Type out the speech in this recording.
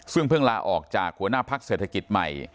ซึ่งเพิ่งลาออกจากหัวหน้าพักเศรษฐกิจใหม่